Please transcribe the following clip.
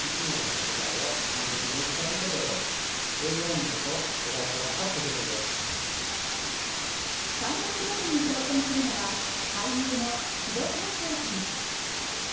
肉や魚など乾物料理に挑戦するのは俳優の木戸大聖さん。